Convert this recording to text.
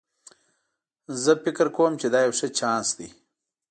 زه فکر کوم چې دا یو ښه چانس ده